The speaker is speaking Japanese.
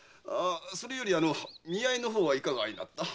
それより見合いの方はいかがいたした？